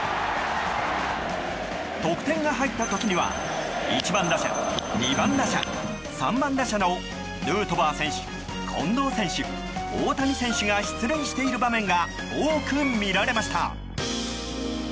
得点が入った時には１番打者、２番打者、３番打者のヌートバー選手、近藤選手大谷選手が出塁している場面が多く見られました。